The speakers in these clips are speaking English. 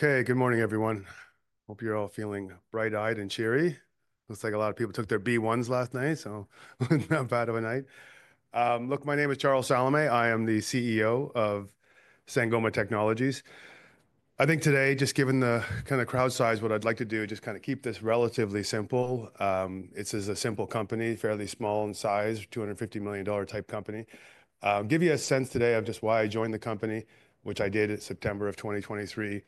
Okay, good morning, everyone. Hope you're all feeling bright-eyed and cheery. Looks like a lot of people took their B1s last night, so not bad of a night. Look, my name is Charles Salameh. I am the CEO of Sangoma Technologies. I think today, just given the kind of crowd size, what I'd like to do is just kind of keep this relatively simple. It's a simple company, fairly small in size, $250 million type company. Give you a sense today of just why I joined the company, which I did in September of 2023.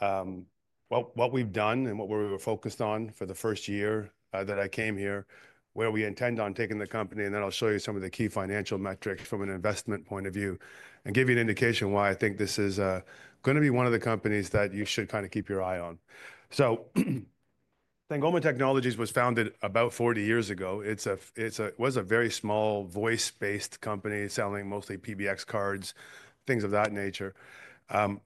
What we've done and what we were focused on for the first year that I came here, where we intend on taking the company, and then I'll show you some of the key financial metrics from an investment point of view and give you an indication why I think this is going to be one of the companies that you should kind of keep your eye on. Sangoma Technologies was founded about 40 years ago. It was a very small voice-based company selling mostly PBX cards, things of that nature.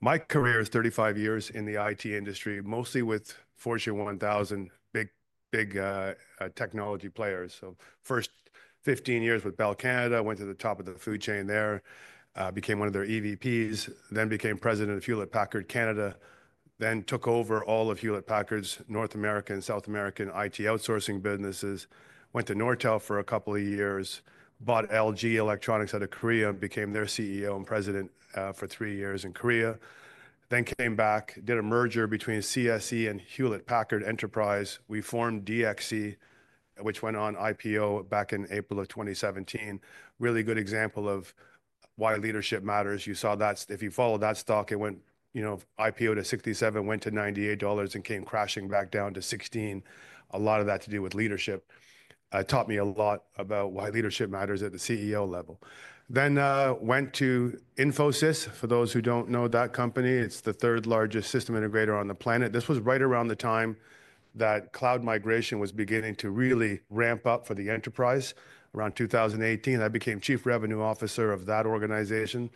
My career is 35 years in the IT industry, mostly with Fortune 1000, big, big technology players. First 15 years with Bell Canada, went to the top of the food chain there, became one of their EVPs, then became President of Hewlett-Packard Canada, then took over all of Hewlett-Packard's North American and South American IT outsourcing businesses, went to Nortel for a couple of years, bought LG Electronics out of Korea, became their CEO and President for three years in Korea, then came back, did a merger between CSC and Hewlett Packard Enterprise. We formed DXC, which went on IPO back in April of 2017. Really good example of why leadership matters. You saw that if you followed that stock, it went, you know, IPO to $67, went to $98 and came crashing back down to $16. A lot of that to do with leadership. Taught me a lot about why leadership matters at the CEO level. Then went to Infosys. For those who do not know that company, it is the third largest system integrator on the planet. This was right around the time that cloud migration was beginning to really ramp up for the enterprise, around 2018. I became Chief Revenue Officer of that organization,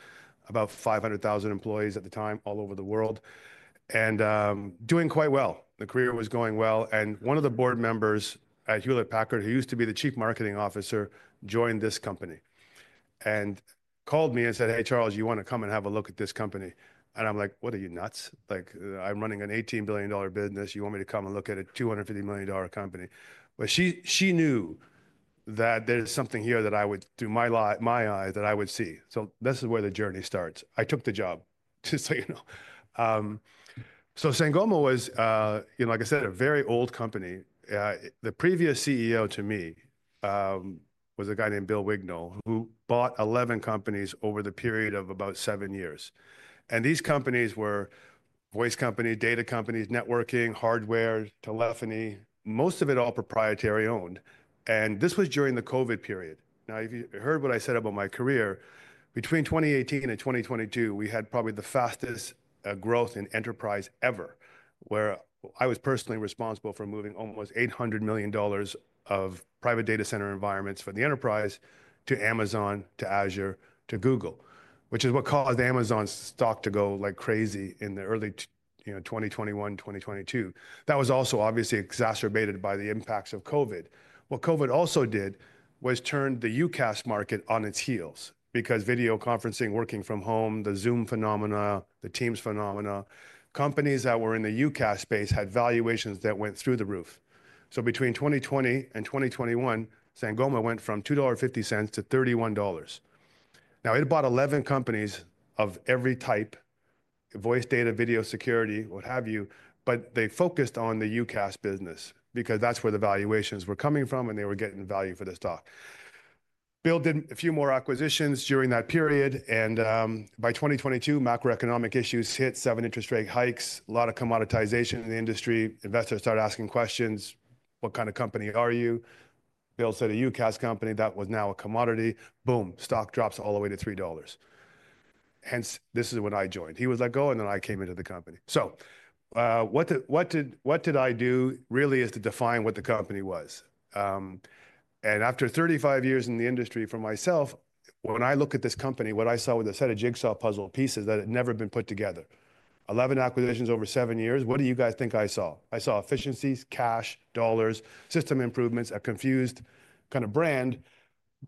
about 500,000 employees at the time all over the world, and doing quite well. The career was going well. One of the board members at Hewlett-Packard, who used to be the Chief Marketing Officer, joined this company and called me and said, "Hey, Charles, you want to come and have a look at this company?" I am like, "What are you, nuts? Like, I am running an $18 billion business. You want me to come and look at a $250 million company?" She knew that there is something here that I would, through my eyes, that I would see. This is where the journey starts. I took the job, just so you know. Sangoma was, you know, like I said, a very old company. The previous CEO to me was a guy named Bill Wignall, who bought 11 companies over the period of about seven years. These companies were voice companies, data companies, networking, hardware, telephony, most of it all proprietary owned. This was during the COVID period. If you heard what I said about my career, between 2018 and 2022, we had probably the fastest growth in enterprise ever, where I was personally responsible for moving almost $800 million of private data center environments for the enterprise to Amazon, to Azure, to Google, which is what caused Amazon's stock to go like crazy in the early, you know, 2021, 2022. That was also obviously exacerbated by the impacts of COVID. What COVID also did was turn the UCaaS market on its heels because video conferencing, working from home, the Zoom phenomena, the Teams phenomena, companies that were in the UCaaS space had valuations that went through the roof. Between 2020 and 2021, Sangoma went from $2.50 to $31. Now, it bought 11 companies of every type: voice, data, video, security, what have you, but they focused on the UCaaS business because that's where the valuations were coming from and they were getting value for the stock. Bill did a few more acquisitions during that period, and by 2022, macroeconomic issues hit, seven interest rate hikes, a lot of commoditization in the industry. Investors started asking questions. "What kind of company are you?" Bill said, "A UCaaS company that was now a commodity." Boom, stock drops all the way to $3. Hence, this is when I joined. He was let go, and then I came into the company. What did I do really is to define what the company was. After 35 years in the industry for myself, when I look at this company, what I saw was a set of jigsaw puzzle pieces that had never been put together. 11 acquisitions over seven years. What do you guys think I saw? I saw efficiencies, cash, dollars, system improvements, a confused kind of brand.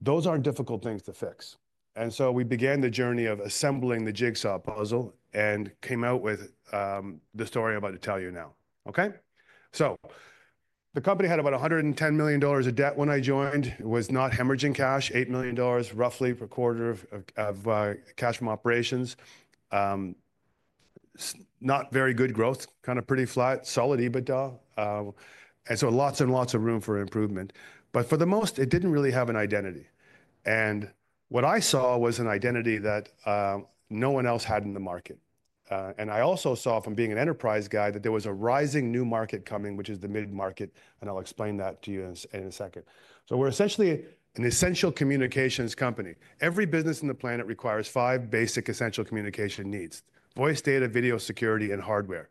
Those are not difficult things to fix. We began the journey of assembling the jigsaw puzzle and came out with the story I am about to tell you now. The company had about $110 million of debt when I joined. It was not hemorrhaging cash, $8 million, roughly per quarter of cash from operations. Not very good growth, kind of pretty flat, solid EBITDA. Lots and lots of room for improvement. For the most, it did not really have an identity. What I saw was an identity that no one else had in the market. I also saw, from being an enterprise guy, that there was a rising new market coming, which is the mid-market, and I will explain that to you in a second. We are essentially an essential communications company. Every business on the planet requires five basic essential communication needs: voice, data, video, security, and hardware.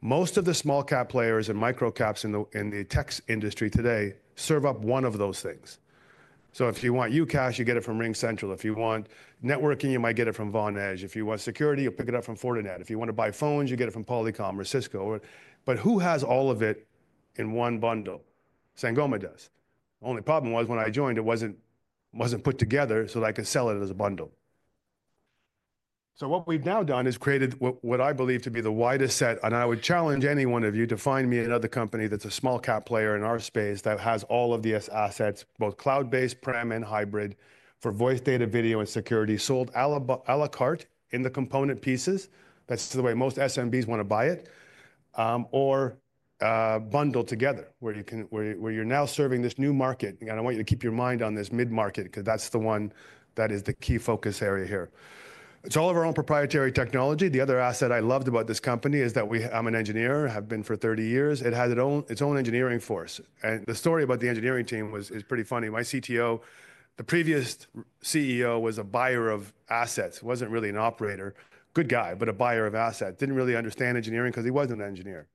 Most of the small cap players and micro-caps in the tech industry today serve up one of those things. If you want UCaaS, you get it from RingCentral. If you want networking, you might get it from Vonage. If you want security, you will pick it up from Fortinet. If you want to buy phones, you get it from Polycom or Cisco. Who has all of it in one bundle? Sangoma does. The only problem was when I joined, it was not put together so that I could sell it as a bundle. What we have now done is created what I believe to be the widest set, and I would challenge any one of you to find me another company that is a small cap player in our space that has all of these assets, both cloud-based, prem, and hybrid, for voice, data, video, and security, sold à la carte in the component pieces. That is the way most SMBs want to buy it, or bundled together, where you are now serving this new market. I want you to keep your mind on this mid-market because that is the one that is the key focus area here. It's all of our own proprietary technology. The other asset I loved about this company is that I'm an engineer, have been for 30 years. It has its own engineering force. The story about the engineering team is pretty funny. My CTO, the previous CEO, was a buyer of assets. He wasn't really an operator, good guy, but a buyer of assets. Didn't really understand engineering because he wasn't an engineer.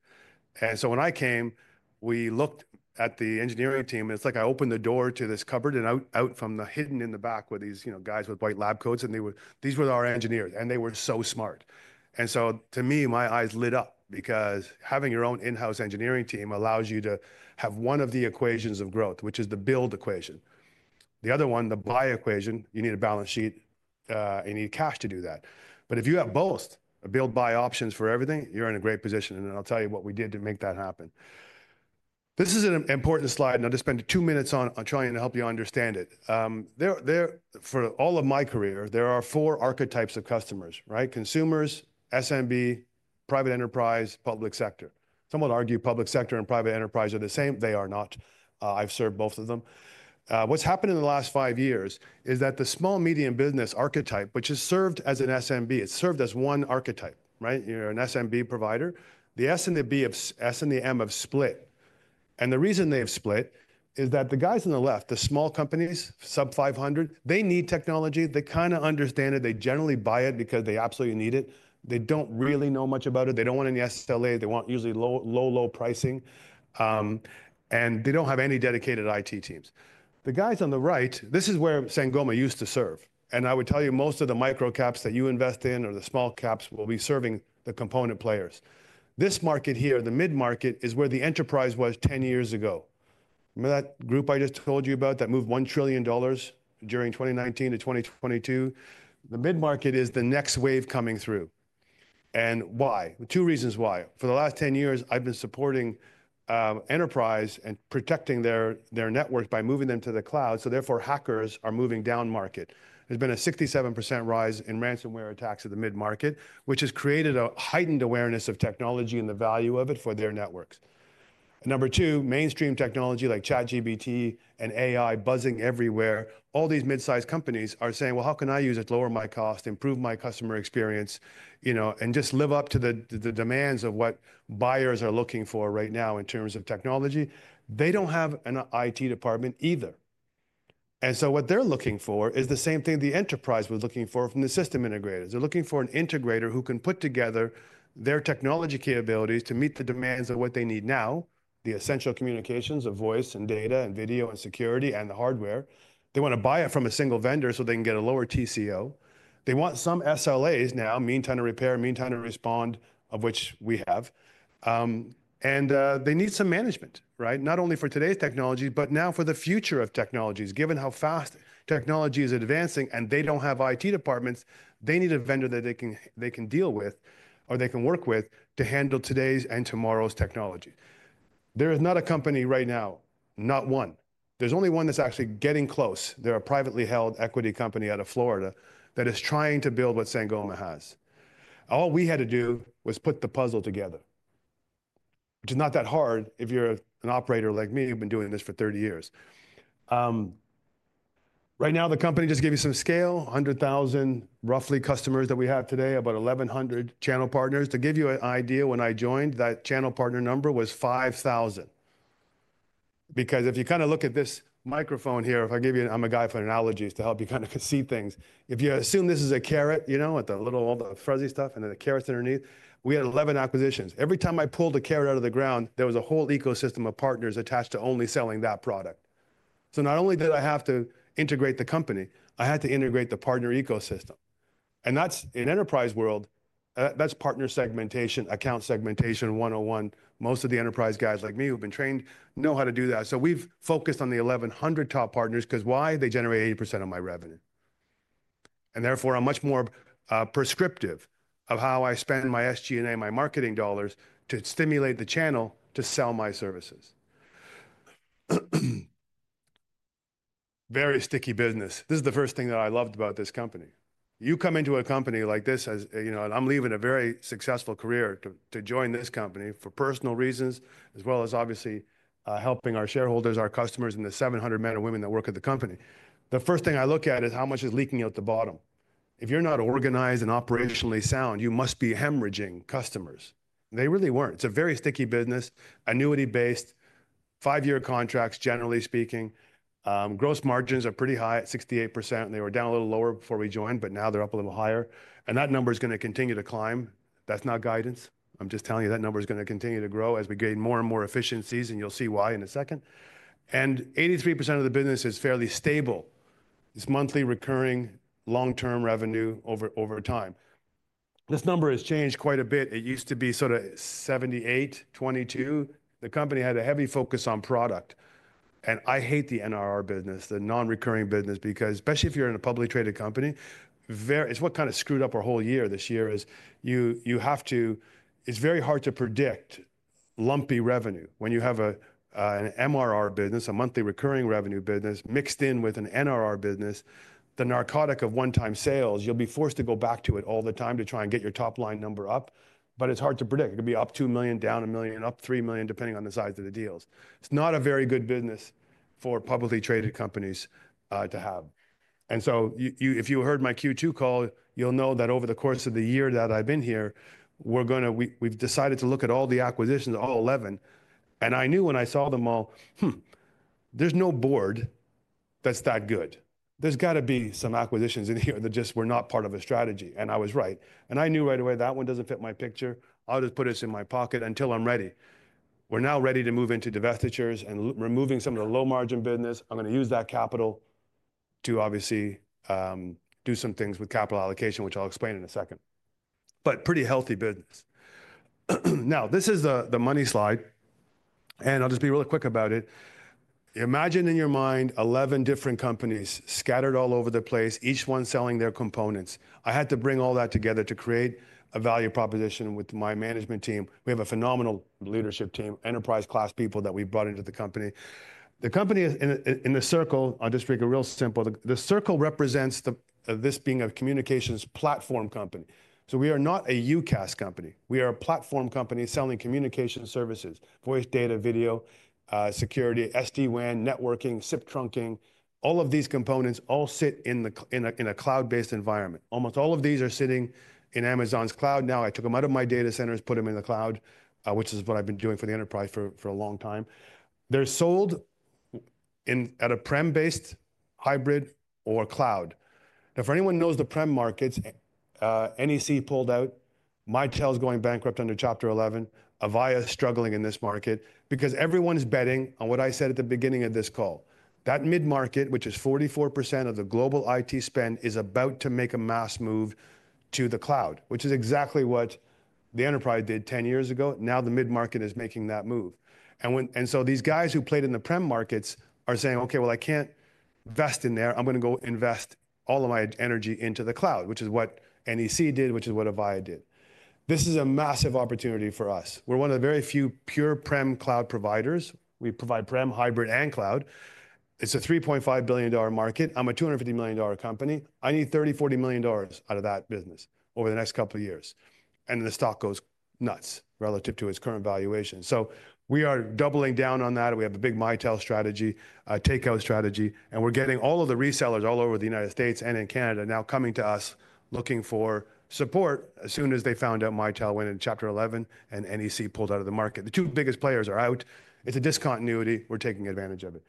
When I came, we looked at the engineering team, and it's like I opened the door to this cupboard and out from the hidden in the back were these guys with white lab coats, and these were our engineers, and they were so smart. To me, my eyes lit up because having your own in-house engineering team allows you to have one of the equations of growth, which is the build equation. The other one, the buy equation, you need a balance sheet. You need cash to do that. If you have both, a build-buy options for everything, you're in a great position. I'll tell you what we did to make that happen. This is an important slide, and I'll just spend two minutes on trying to help you understand it. For all of my career, there are four archetypes of customers, right? Consumers, SMB, private enterprise, public sector. Some would argue public sector and private enterprise are the same. They are not. I've served both of them. What's happened in the last five years is that the small-medium business archetype, which has served as an SMB, it's served as one archetype, right? You're an SMB provider. The S and the B, S and the M have split. The reason they have split is that the guys on the left, the small companies, sub-500, they need technology. They kind of understand it. They generally buy it because they absolutely need it. They do not really know much about it. They do not want any SLA. They want usually low, low, low pricing. And they do not have any dedicated IT teams. The guys on the right, this is where Sangoma used to serve. I would tell you most of the micro-caps that you invest in or the small caps will be serving the component players. This market here, the mid-market, is where the enterprise was 10 years ago. Remember that group I just told you about that moved $1 trillion during 2019 to 2022? The mid-market is the next wave coming through. Two reasons why. For the last 10 years, I've been supporting enterprise and protecting their networks by moving them to the cloud. Therefore, hackers are moving down market. There's been a 67% rise in ransomware attacks in the mid-market, which has created a heightened awareness of technology and the value of it for their networks. Number two, mainstream technology like ChatGPT and AI buzzing everywhere. All these mid-sized companies are saying, "Well, how can I use it to lower my cost, improve my customer experience, and just live up to the demands of what buyers are looking for right now in terms of technology?" They don't have an IT department either. What they're looking for is the same thing the enterprise was looking for from the system integrators. They're looking for an integrator who can put together their technology capabilities to meet the demands of what they need now, the essential communications of voice and data and video and security and the hardware. They want to buy it from a single vendor so they can get a lower TCO. They want some SLAs now, meantime to repair, meantime to respond, of which we have. They need some management, right? Not only for today's technologies, but now for the future of technologies. Given how fast technology is advancing and they don't have IT departments, they need a vendor that they can deal with or they can work with to handle today's and tomorrow's technologies. There is not a company right now, not one. There's only one that's actually getting close. There are a privately-held equity company out of Florida that is trying to build what Sangoma has. All we had to do was put the puzzle together, which is not that hard if you're an operator like me who've been doing this for 30 years. Right now, the company just gave you some scale, 100,000 roughly customers that we have today, about 1,100 channel partners. To give you an idea, when I joined, that channel partner number was 5,000. Because if you kind of look at this microphone here, if I give you, I'm a guy for analogies to help you kind of see things. If you assume this is a carrot, you know, with the little all the fuzzy stuff and then the carrot's underneath, we had 11 acquisitions. Every time I pulled a carrot out of the ground, there was a whole ecosystem of partners attached to only selling that product. Not only did I have to integrate the company, I had to integrate the partner ecosystem. In enterprise world, that's partner segmentation, account segmentation, 101. Most of the enterprise guys like me who've been trained know how to do that. We've focused on the 1,100 top partners because why? They generate 80% of my revenue. Therefore, I'm much more prescriptive of how I spend my SG&A, my marketing dollars to stimulate the channel to sell my services. Very sticky business. This is the first thing that I loved about this company. You come into a company like this, and I'm leaving a very successful career to join this company for personal reasons, as well as obviously helping our shareholders, our customers, and the 700 men and women that work at the company. The first thing I look at is how much is leaking out the bottom. If you're not organized and operationally sound, you must be hemorrhaging customers. They really weren't. It's a very sticky business, annuity-based, five-year contracts, generally speaking. Gross margins are pretty high at 68%. They were down a little lower before we joined, but now they're up a little higher. That number is going to continue to climb. That's not guidance. I'm just telling you that number is going to continue to grow as we gain more and more efficiencies, and you'll see why in a second. 83% of the business is fairly stable. It's monthly recurring long-term revenue over time. This number has changed quite a bit. It used to be sort of 78%-22%. The company had a heavy focus on product. I hate the NRR business, the non-recurring business, because especially if you're in a publicly traded company, it's what kind of screwed up our whole year this year. You have to, it's very hard to predict lumpy revenue when you have an MRR business, a monthly recurring revenue business, mixed in with an NRR business, the narcotic of one-time sales. You'll be forced to go back to it all the time to try and get your top line number up, but it's hard to predict. It could be up $2 million, down $1 million, up $3 million, depending on the size of the deals. It's not a very good business for publicly traded companies to have. If you heard my Q2 call, you'll know that over the course of the year that I've been here, we're going to, we've decided to look at all the acquisitions, all 11. I knew when I saw them all, there's no board that's that good. There's got to be some acquisitions in here that just were not part of a strategy. I was right. I knew right away that one doesn't fit my picture. I'll just put this in my pocket until I'm ready. We're now ready to move into divestitures and removing some of the low-margin business. I'm going to use that capital to obviously do some things with capital allocation, which I'll explain in a second, but pretty healthy business. Now, this is the money slide. I'll just be really quick about it. Imagine in your mind 11 different companies scattered all over the place, each one selling their components. I had to bring all that together to create a value proposition with my management team. We have a phenomenal leadership team, enterprise-class people that we've brought into the company. The company in the circle, I'll just make it real simple. The circle represents this being a communications platform company. We are not a UCaaS company. We are a platform company selling communication services, voice, data, video, security, SD-WAN, networking, SIP trunking. All of these components all sit in a cloud-based environment. Almost all of these are sitting in Amazon's cloud now. I took them out of my data centers, put them in the cloud, which is what I've been doing for the enterprise for a long time. They're sold at a prem-based hybrid or cloud. Now, if anyone knows the prem markets, NEC pulled out. Mitel is going bankrupt under Chapter 11. Avaya is struggling in this market because everyone is betting on what I said at the beginning of this call. That mid-market, which is 44% of the global IT spend, is about to make a mass move to the cloud, which is exactly what the enterprise did 10 years ago. Now the mid-market is making that move. These guys who played in the prem markets are saying, "Okay, well, I can't invest in there. I'm going to go invest all of my energy into the cloud," which is what NEC did, which is what Avaya did. This is a massive opportunity for us. We're one of the very few pure prem cloud providers. We provide prem, hybrid, and cloud. It's a $3.5 billion market. I'm a $250 million company. I need $30 million, $40 million out of that business over the next couple of years. The stock goes nuts relative to its current valuation. We are doubling down on that. We have a big Mitel strategy, takeout strategy, and we're getting all of the resellers all over the United States and in Canada now coming to us looking for support as soon as they found out Mitel went in Chapter 11 and NEC pulled out of the market. The two biggest players are out. It's a discontinuity. We're taking advantage of it.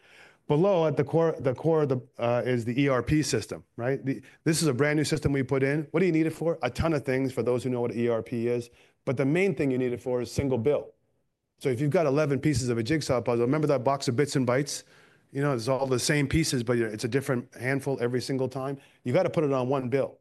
Below at the core is the ERP system, right? This is a brand new system we put in. What do you need it for? A ton of things for those who know what ERP is. The main thing you need it for is single bill. If you've got 11 pieces of a jigsaw puzzle, remember that box of bits and bytes? You know, it's all the same pieces, but it's a different handful every single time. You've got to put it on one bill.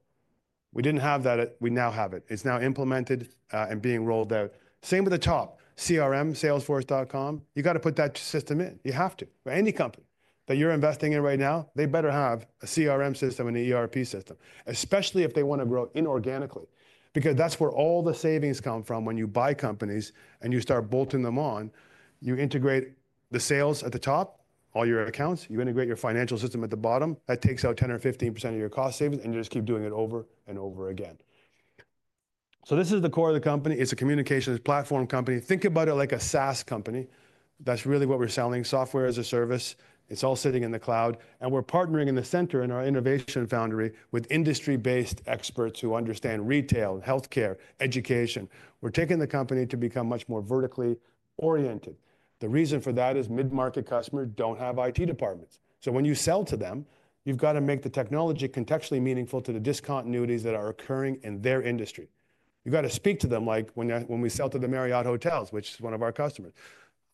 We didn't have that. We now have it. It's now implemented and being rolled out. Same with the top, CRM, Salesforce.com. You've got to put that system in. You have to. Any company that you're investing in right now, they better have a CRM system and an ERP system, especially if they want to grow inorganically, because that's where all the savings come from when you buy companies and you start bolting them on. You integrate the sales at the top, all your accounts. You integrate your financial system at the bottom. That takes out 10% or 15% of your cost savings, and you just keep doing it over and over again. This is the core of the company. It's a communications platform company. Think about it like a SaaS company. That's really what we're selling, software as a service. It's all sitting in the cloud. We're partnering in the center in our innovation foundry with industry-based experts who understand retail, healthcare, education. We're taking the company to become much more vertically oriented. The reason for that is mid-market customers don't have IT departments. When you sell to them, you've got to make the technology contextually meaningful to the discontinuities that are occurring in their industry. You've got to speak to them like when we sell to the Marriott Hotels, which is one of our customers.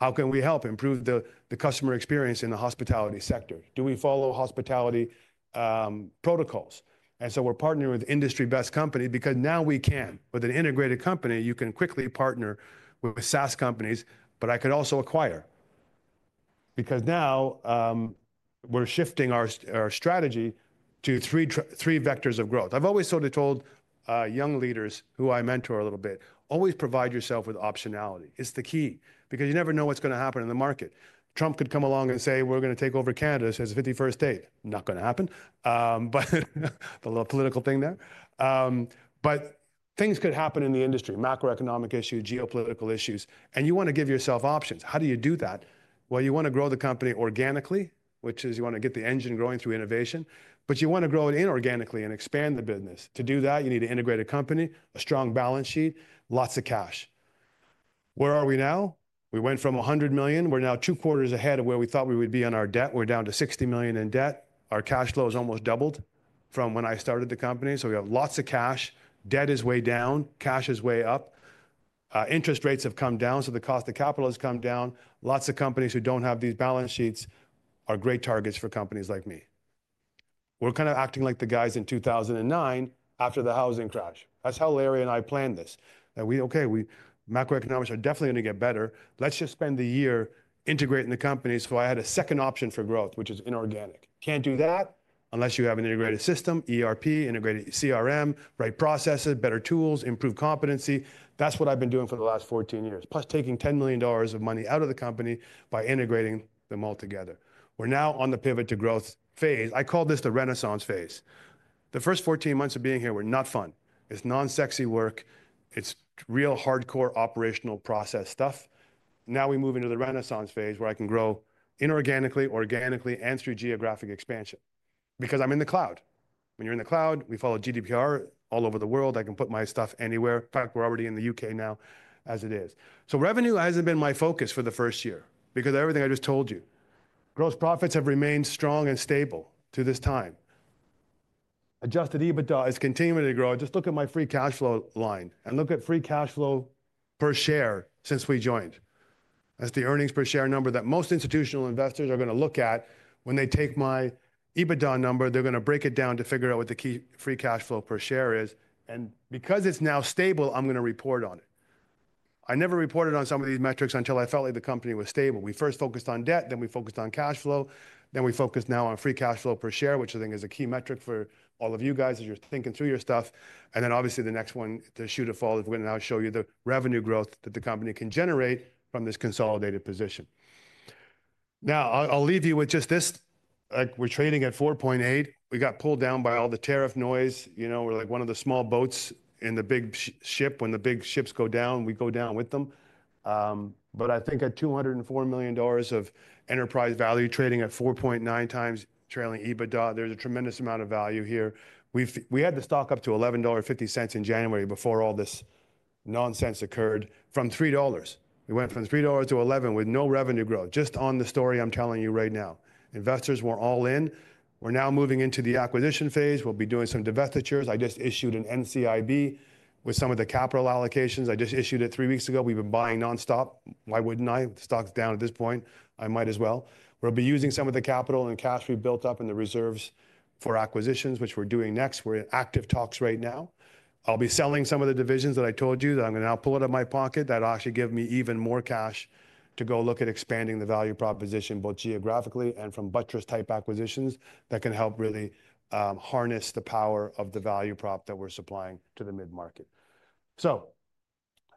How can we help improve the customer experience in the hospitality sector? Do we follow hospitality protocols? We are partnering with industry-best company because now we can. With an integrated company, you can quickly partner with SaaS companies, but I could also acquire because now we are shifting our strategy to three vectors of growth. I have always sort of told young leaders who I mentor a little bit, always provide yourself with optionality. It is the key because you never know what is going to happen in the market. Trump could come along and say, "We are going to take over Canada." He says 51st state. Not going to happen. A little political thing there. Things could happen in the industry, macroeconomic issues, geopolitical issues. You want to give yourself options. How do you do that? You want to grow the company organically, which is you want to get the engine growing through innovation. You want to grow it inorganically and expand the business. To do that, you need an integrated company, a strong balance sheet, lots of cash. Where are we now? We went from $100 million. We're now two quarters ahead of where we thought we would be on our debt. We're down to $60 million in debt. Our cash flow has almost doubled from when I started the company. We have lots of cash. Debt is way down. Cash is way up. Interest rates have come down. The cost of capital has come down. Lots of companies who don't have these balance sheets are great targets for companies like me. We're kind of acting like the guys in 2009 after the housing crash. That's how Larry and I planned this. Macroeconomics are definitely going to get better. Let's just spend the year integrating the companies. I had a second option for growth, which is inorganic. Can't do that unless you have an integrated system, ERP, integrated CRM, right processes, better tools, improved competency. That's what I've been doing for the last 14 years, plus taking $10 million of money out of the company by integrating them all together. We're now on the pivot to growth phase. I call this the Renaissance phase. The first 14 months of being here were not fun. It's non-sexy work. It's real hardcore operational process stuff. Now we move into the Renaissance phase where I can grow inorganically, organically, and through geographic expansion because I'm in the cloud. When you're in the cloud, we follow GDPR all over the world. I can put my stuff anywhere. In fact, we're already in the U.K. now as it is. Revenue hasn't been my focus for the first year because everything I just told you, gross profits have remained strong and stable to this time. Adjusted EBITDA is continuing to grow. Just look at my free cash flow line and look at free cash flow per share since we joined. That's the earnings per share number that most institutional investors are going to look at when they take my EBITDA number. They're going to break it down to figure out what the key free cash flow per share is. Because it's now stable, I'm going to report on it. I never reported on some of these metrics until I felt like the company was stable. We first focused on debt, then we focused on cash flow. We focused now on free cash flow per share, which I think is a key metric for all of you guys as you're thinking through your stuff. The next one to shoot a fall is we're going to now show you the revenue growth that the company can generate from this consolidated position. I'll leave you with just this. We're trading at $4.8. We got pulled down by all the tariff noise. You know, we're like one of the small boats in the big ship. When the big ships go down, we go down with them. I think at $204 million of enterprise value trading at 4.9x trailing EBITDA, there's a tremendous amount of value here. We had the stock up to 11.50 dollar in January before all this nonsense occurred from 3 dollars. We went from 3 dollars to 11 with no revenue growth. Just on the story I'm telling you right now, investors were all in. We're now moving into the acquisition phase. We'll be doing some divestitures. I just issued an NCIB with some of the capital allocations. I just issued it three weeks ago. We've been buying nonstop. Why wouldn't I? The stock's down at this point. I might as well. We'll be using some of the capital and cash we've built up in the reserves for acquisitions, which we're doing next. We're in active talks right now. I'll be selling some of the divisions that I told you that I'm going to now pull out of my pocket that will actually give me even more cash to go look at expanding the value proposition both geographically and from buttress-type acquisitions that can help really harness the power of the value prop that we're supplying to the mid-market.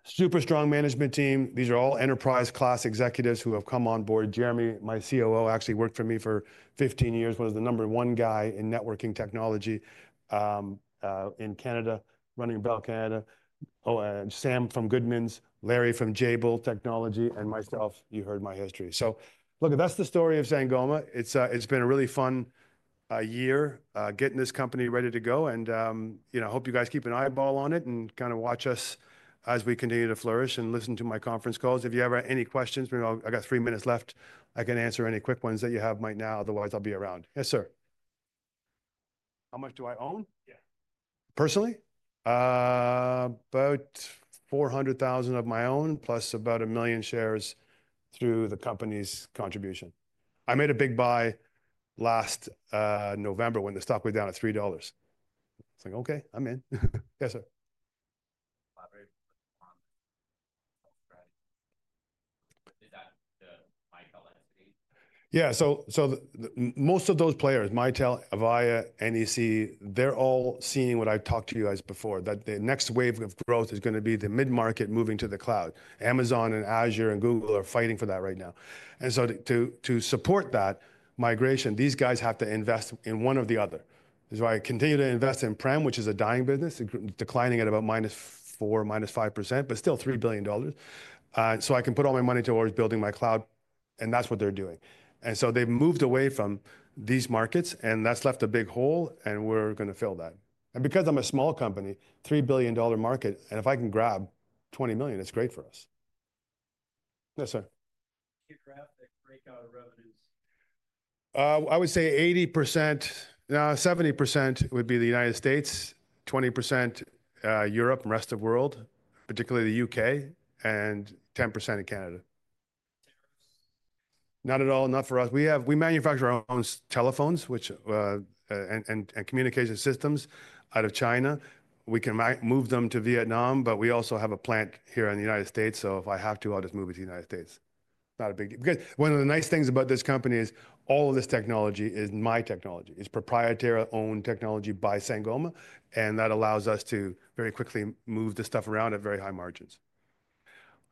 Super strong management team. These are all enterprise-class executives who have come on board. Jeremy, my COO, actually worked for me for 15 years. One of the number one guys in networking technology in Canada, running Bell Canada. Oh, and Sam from Goodmans, Larry from Jabil, and myself. You heard my history. Look, that's the story of Sangoma. It's been a really fun year getting this company ready to go. You know, I hope you guys keep an eyeball on it and kind of watch us as we continue to flourish and listen to my conference calls. If you ever have any questions, I got three minutes left. I can answer any quick ones that you have right now. Otherwise, I'll be around. Yes, sir. How much do I own? Yeah. Personally? About 400,000 of my own, plus about 1 million shares through the company's contribution. I made a big buy last November when the stock went down at $3. It's like, okay, I'm in. Yes, sir. Yeah. Most of those players, Mitel, Avaya, NEC, they're all seeing what I've talked to you guys before, that the next wave of growth is going to be the mid-market moving to the cloud. Amazon and Azure and Google are fighting for that right now. To support that migration, these guys have to invest in one or the other. I continue to invest in prem, which is a dying business, declining at about -4% -5%, but still $3 billion. I can put all my money towards building my cloud, and that's what they're doing. They have moved away from these markets, and that's left a big hole, and we're going to fill that. Because I'm a small company, $3 billion market, and if I can grab $20 million, it's great for us. Yes, sir. Can you grab that breakout of revenues? I would say 80% 70% would be the United States, 20% Europe and rest of the world, particularly the U.K., and 10% in Canada. Not at all, not for us. We manufacture our own telephones and communication systems out of China. We can move them to Vietnam, but we also have a plant here in the United States. If I have to, I'll just move it to the United States. Not a big deal. One of the nice things about this company is all of this technology is my technology. It's proprietary-owned technology by Sangoma, and that allows us to very quickly move the stuff around at very high margins.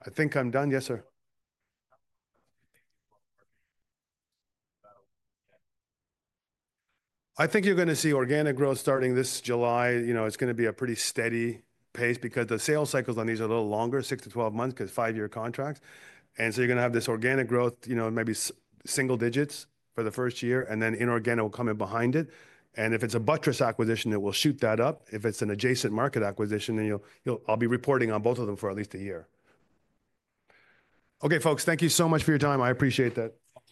I think I'm done. Yes, sir. I think you're going to see organic growth starting this July. You know, it's going to be a pretty steady pace because the sales cycles on these are a little longer, 6-12 months because five-year contracts. You know, you're going to have this organic growth, maybe single digits for the first year, and then inorganic will come in behind it. If it's a buttress acquisition, it will shoot that up. If it's an adjacent market acquisition, then I'll be reporting on both of them for at least a year. Okay, folks, thank you so much for your time. I appreciate that.